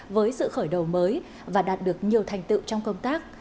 với sự khởi đầu mới và đạt được nhiều thành tựu trong công tác